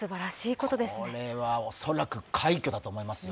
これは恐らく快挙だと思いますよ。